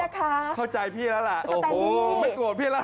ทานโทษนะคะสแตนดี้โอ้โฮไม่โกรธพี่แล้วล่ะ